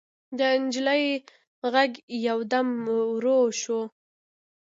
د نجلۍ غږ يودم ورو شو.